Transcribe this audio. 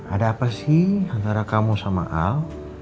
ada apa sih antara kamu sama al